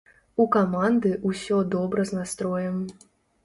У каманды ўсё добра з настроем.